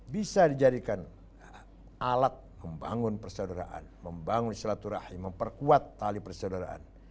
bisa dijadikan alat membangun persaudaraan membangun silaturahim memperkuat tali persaudaraan